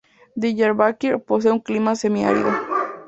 Diyarbakır posee un clima semiárido.